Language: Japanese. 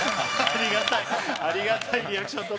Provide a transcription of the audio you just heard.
ありがたいリアクション。